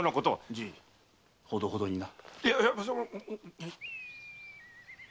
じいほどほどにな。